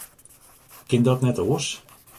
Kin dat net oars?